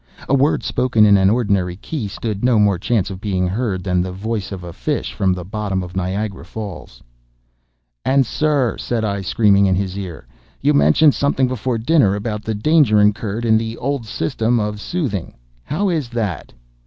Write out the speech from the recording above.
A word spoken in an ordinary key stood no more chance of being heard than the voice of a fish from the bottom of Niagara Falls. "And, sir," said I, screaming in his ear, "you mentioned something before dinner about the danger incurred in the old system of soothing. How is that?"